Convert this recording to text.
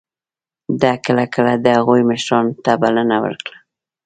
ده کله کله د هغوی مشرانو ته بلنه ورکړه.